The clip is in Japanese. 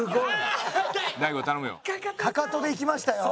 かかとでいきましたよ。